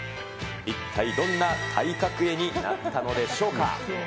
一体どんな体格絵になったのでしょうか。